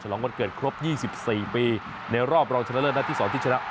ลองวันเกิดครบ๒๔ปีในรอบรองชนะเลิศนัดที่๒ที่ชนะ